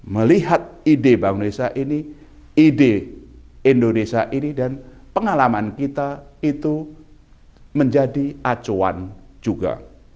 melihat ide bangsa ini ide indonesia ini dan pengalaman kita itu menjadi acuan juga